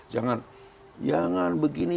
jangan jangan begini